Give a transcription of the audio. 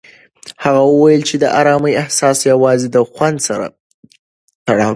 هغه وویل چې د ارامۍ احساس یوازې د خوند سره تړاو لري.